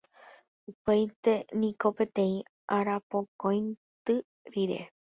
Upéinte niko peteĩ arapokõindy rire